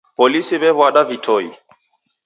Polisi wewada vitoi.